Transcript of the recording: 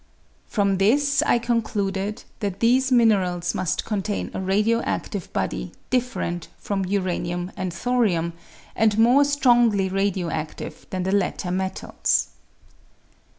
From this I concluded that these minerals must contain a radio adive bodv different from uranium and thorium, and more strongly radio adive than the l.utci muals.